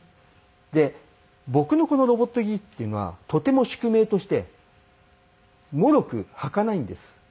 で僕のこのロボット技術っていうのはとても宿命としてもろくはかないんです。